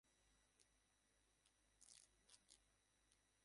স্বামীপুত্রগৃহধনজন লইয়া সুরবালা চিরদিন সুখে থাকুক।